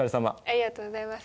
ありがとうございます。